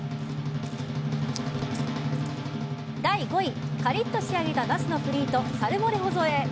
第５位カリッと仕上げたナスのフリートサルモレホ添え。